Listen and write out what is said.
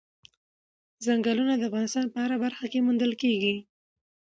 چنګلونه د افغانستان په هره برخه کې موندل کېږي.